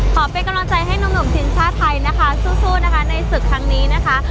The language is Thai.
ขอเป็นกำลังใจให้หนุ่มทีมชาติไทยนะคะสู้นะคะในศึกครั้งนี้นะคะ